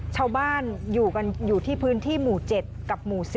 ชาวบ้านอยู่ที่พื้นที่หมู่๗กับหมู่๔